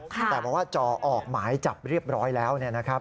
เพราะว่าจอออกหมายจับเรียบร้อยแล้วเนี่ยนะครับ